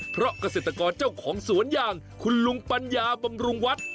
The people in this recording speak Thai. เพราะเกษตรกรเจ้าของสวนอย่างคุณลุงปัญญาบำรุงวัด